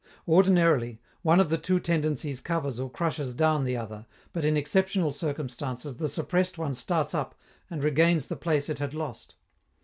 Ordinarily, one of the two tendencies covers or crushes down the other, but in exceptional circumstances the suppressed one starts up and regains the place it had lost.